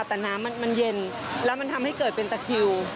แต่น้ำมันเย็นแล้วมันทำให้เกิดเป็นตะคิว